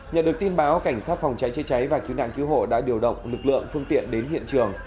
nhận được tin báo cảnh sát phòng cháy chế cháy và cứu nạn cứu hộ đã điều động lực lượng phương tiện đến hiện trường